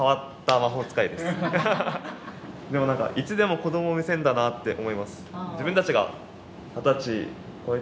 でもなんかいつでも子ども目線だなって思います。